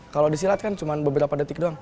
kalau di silat kan cuma beberapa detik doang